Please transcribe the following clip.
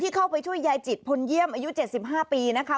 เข้าไปช่วยยายจิตพลเยี่ยมอายุ๗๕ปีนะคะ